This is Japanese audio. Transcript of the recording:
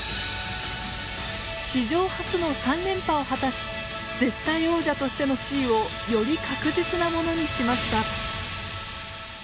史上初の３連覇を果たし絶対王者としての地位をより確実なものにしました。